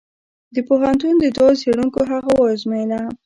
د پوهنتون دوو څېړونکو هغه وزمویله.